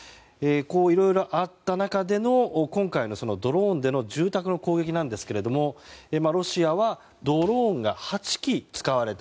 いろいろあった中での、今回のドローンでの住宅の攻撃なんですけどロシアはドローンが８機使われた。